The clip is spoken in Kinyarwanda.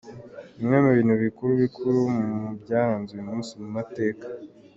Bimwe mu bintu bikuru bikuru mu byaranze uyu munsi mu mateka.